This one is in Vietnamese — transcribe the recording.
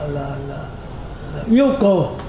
là yêu cầu